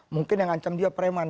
mungkin yang ngancam dia preman